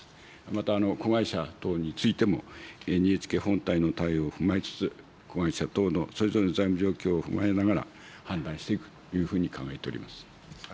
また、子会社等についても、ＮＨＫ本体の対応を踏まえつつ、子会社等のそれぞれの財務状況を踏まえながら、判断していくというふうに考えております。